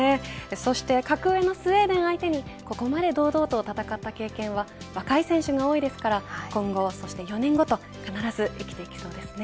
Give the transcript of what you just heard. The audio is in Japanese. そして格上のスウェーデン相手にここまで堂々と戦った経験は若い選手が多いですから今後、そして４年後と必ず生きていきそうですね。